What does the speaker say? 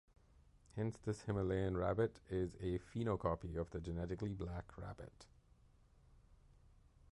Hence this Himalayan rabbit is a phenocopy of the genetically black rabbit.